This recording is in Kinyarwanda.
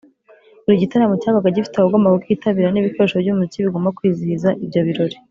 Buri gitaramo cyabaga gifite abagomba kukitabira n’ibikoresho by’umuziki bigomba kwizihiza ibyo birori.